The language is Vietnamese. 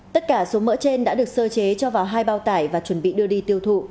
tất cả số mỡ trên đã được sơ chế cho vào hai bao tải và chuẩn bị đưa đi tiêu thụ